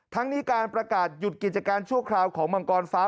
ทั้งนี้การประกาศหยุดกิจการชั่วคราวของมังกรฟ้า